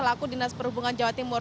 laku dinas perhubungan jawa timur